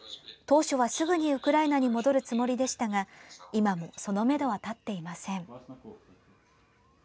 当初は、すぐにウクライナに戻るつもりでしたが今も、そのめどは立っていません。